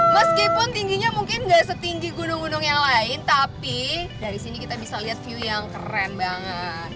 meskipun tingginya mungkin gak setinggi gunung gunung yang lain tapi dari sini kita bisa lihat view yang keren banget